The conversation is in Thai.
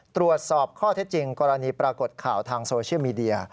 ตรวจสอบข้อเท็จจริงกรณีปรากฏข่าวทางโซเชียลมีเดีย